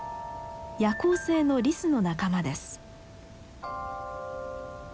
夜行性のリスの仲間です。